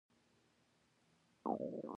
سالنګ کوتل څومره واوره لري؟